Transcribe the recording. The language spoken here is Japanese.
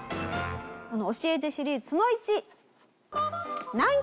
教えてシリーズその１。